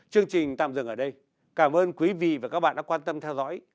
chương trình tạm dừng ở đây cảm ơn quý vị và các bạn đã quan tâm theo dõi